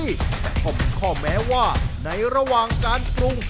แต่ก็มีข้อแม้ว่าในระหว่างการปรุง